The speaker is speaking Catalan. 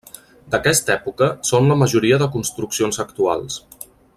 D'aquesta època són la majoria de construccions actuals.